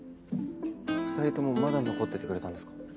２人ともまだ残っててくれたんですか？